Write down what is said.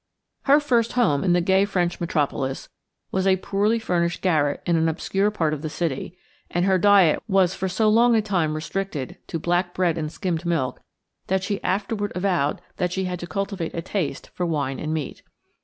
Her first home in the gay French metropolis was a poorly furnished garret in an obscure part of the city, and her diet was for so long a time restricted to black bread and skimmed milk that she afterward avowed that she had to cultivate a taste for wine and meat.